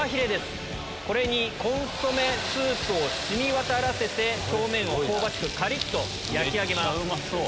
これにコンソメスープを染み渡らせて表面を香ばしくカリっと焼き上げます。